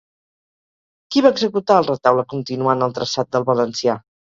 Qui va executar el retaule continuant el traçat del valencià?